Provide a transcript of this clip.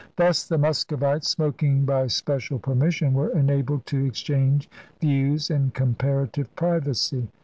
Thus the Muscovites, smoking by special permission, were enabled to exchange views in comparative privacy.